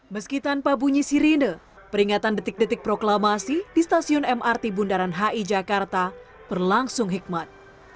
meski tanpa bunyi sirine peringatan detik detik proklamasi di stasiun mrt bundaran hi jakarta berlangsung hikmat